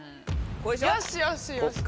よしよしよし。